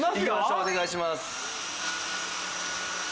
お願いします。